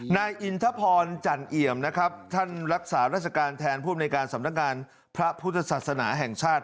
นายอินทพรจันเอี่ยมนะครับท่านรักษาราชการแทนผู้อำนวยการสำนักงานพระพุทธศาสนาแห่งชาติ